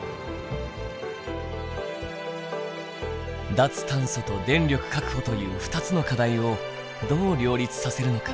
脱炭素と電力確保という２つの課題をどう両立させるのか。